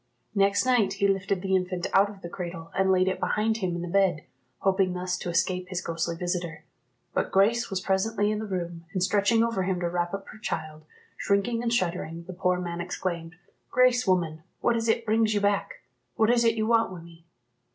Next night he lifted the infant out of the cradle, and laid it behind him in the bed, hoping thus to escape his ghostly visitor; but Grace was presently in the room, and stretching over him to wrap up her child. Shrinking and shuddering, the poor man exclaimed, "Grace, woman, what is it brings you back? What is it you want wi' me?"